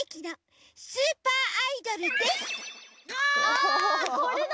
あこれだ！